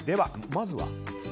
まずは？